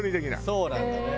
そうなんだね。